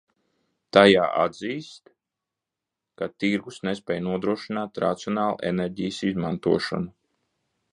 Tajā atzīst, ka tirgus nespēj nodrošināt racionālu enerģijas izmantošanu.